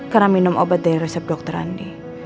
karena minum obat dari resep dokter andi